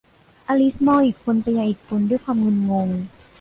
อลิซมองอีกคนไปยังอีกคนด้วยความงุนงง